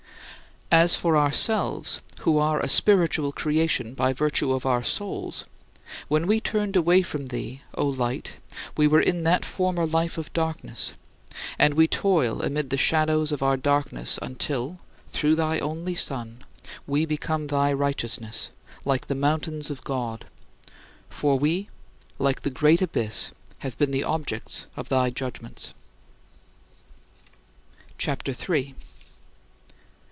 As for ourselves, who are a spiritual creation by virtue of our souls, when we turned away from thee, O Light, we were in that former life of darkness; and we toil amid the shadows of our darkness until through thy only Son we become thy righteousness, like the mountains of God. For we, like the great abyss, have been the objects of thy judgments. CHAPTER III 4.